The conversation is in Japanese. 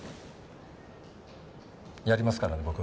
やりますからね僕は。